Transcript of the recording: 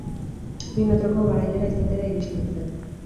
Bi metroko garaiera izatera iristen zen.